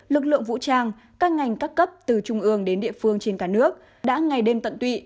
lực lượng vũ trang các ngành các cấp từ trung ương đến địa phương trên cả nước đã ngày đêm tận tụy